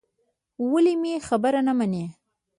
ولې مې خبره نه منې.